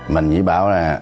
mình nghĩ bảo là